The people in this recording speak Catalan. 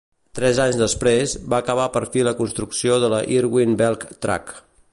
Tres anys després, va acabar per fi la construcció de la Irwin Belk Track.